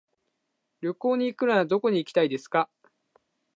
旅行に行くならどこに行きたいですか。